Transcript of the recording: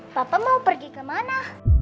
papa mau pergi kemana